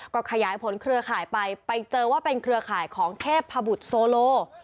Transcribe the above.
ก็ขยายผลเครือข่ายไปไปเจอว่าเป็นเครือข่ายของเทพบุตรโซโล